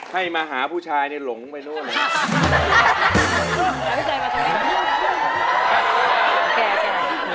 ใครมาหาผู้ชายเนี่ยหลงไปนู้นเลย